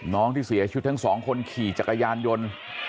น้องที่เสียชีวิตทั้งสองคนขี่จักรยานยนต์